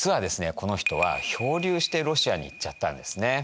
この人は漂流してロシアに行っちゃったんですね。